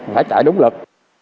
phải chạy đúng lực